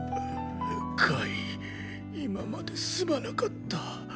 カイ今まですまなかった。